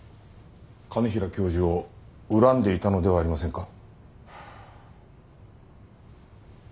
兼平教授を恨んでいたのではありませんか？